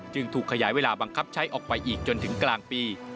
ถูกขยายเวลาบังคับใช้ออกไปอีกจนถึงกลางปี